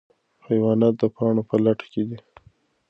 حیوانات د پاڼو په لټه کې دي.